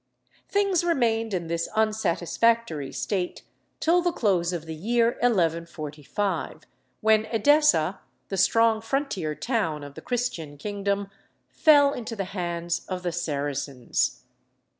] Things remained in this unsatisfactory state till the close of the year 1145, when Edessa, the strong frontier town of the Christian kingdom, fell into the hands of the Saracens.